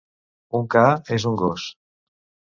Un ca és un gos.